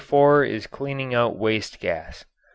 4 is cleaning out waste gas.